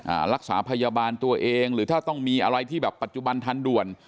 รักษาพยาบาลตัวเองหรือถ้าต้องมีอะไรที่แบบปัจจุบันทันด่วน